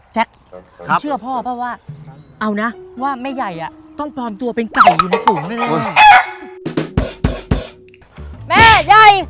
แจ๊คเข้าเชื่อพ่อหรือเปล่าว่าเอานะว่าแม่ใหญ่อ่ะต้องพร้อมตัวเป็นไก่อยู่ในฝูงนั่นแหละ